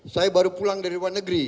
saya baru pulang dari luar negeri